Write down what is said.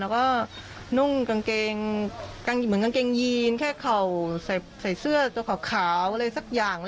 แล้วก็นุ่งกางเกงเหมือนกางเกงยีนแค่เข่าใส่เสื้อตัวขาวอะไรสักอย่าง